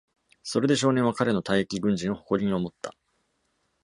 それで、少年は彼の退役軍人を誇りに思った。